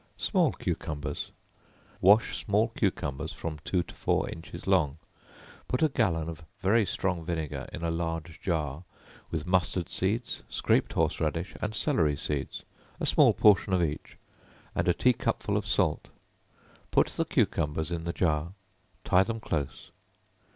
Small Cucumbers. Wash small cucumbers from two to four inches long; put a gallon of very strong vinegar in a large jar, with mustard seed, scraped horse radish, and celery seed, a small portion of each, and a tea cupful of salt; put the cucumbers in the jar; tie them close.